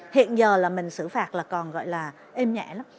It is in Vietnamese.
hiện giờ là mình xử phạt là còn gọi là êm nhẹ lắm